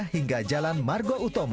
hingga jalan margo utama